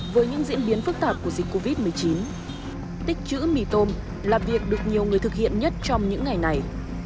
với những diễn biến phức tạp của dịch covid một mươi chín tích chữ mì tôm là việc được nhiều người thực hiện nhất trong những ngày này